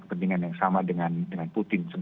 kepentingan yang sama dengan putin